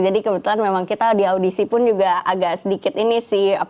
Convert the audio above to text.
jadi kebetulan memang kita di audisi pun juga agak sedikit ini sih